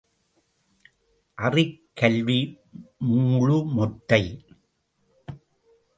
அறிக் கல்வி முழு மொட்டை.